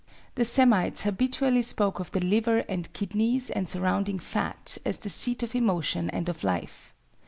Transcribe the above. The Semites habitually spoke of the liver and kidneys and surrounding fat as the seat of emotion and of life.